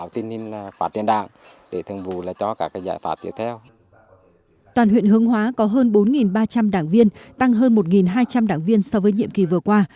toàn huyện hương hóa có hơn bốn ba trăm linh đảng viên tăng hơn một hai trăm linh đảng viên so với nhiệm kỳ vừa qua